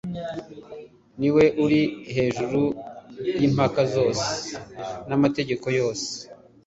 ni we uri hejuru y'impaka zose n'amategeko yose.